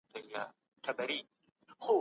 مورنۍ ژبه د زده کوونکي ګډون څنګه زياتوي؟